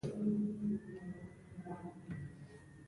د دښمن په لښکر کې وارخطا چيغې پورته شوې: خسرو خان يې وواژه!